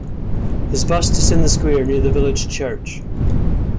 His bust is in the square near the village church.